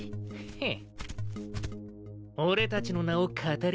ヘッ。